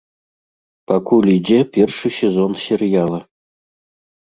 Пакуль ідзе першы сезон серыяла.